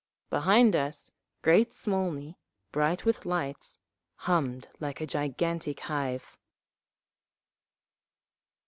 Behind us great Smolny, bright with lights, hummed like a gigantic hive….